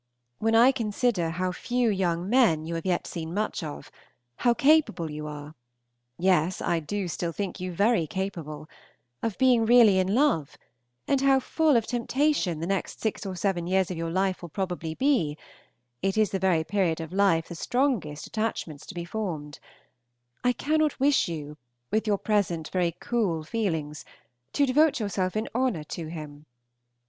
When I consider how few young men you have yet seen much of, how capable you are (yes, I do still think you very capable) of being really in love, and how full of temptation the next six or seven years of your life will probably be (it is the very period of life for the strongest attachments to be formed), I cannot wish you, with your present very cool feelings, to devote yourself in honor to him.